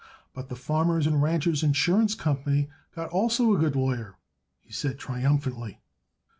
"But the Farmers and Ranchers' Insurance Company got also a good lawyer," he said triumphantly.